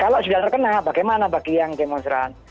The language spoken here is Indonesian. kalau sudah terkena bagaimana bagi yang demonstran